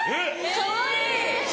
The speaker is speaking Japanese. かわいい！